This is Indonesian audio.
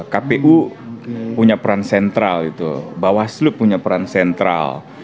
kpu punya peran sentral itu bawaslu punya peran sentral